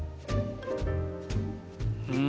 うん？